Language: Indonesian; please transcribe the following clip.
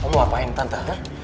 kamu apaan tante